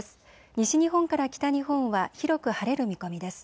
西日本から北日本は広く晴れる見込みです。